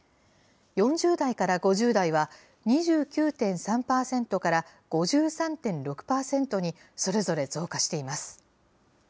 ４０代から５０代は、２９．３％から５３．６％に、それぞれ増加しています。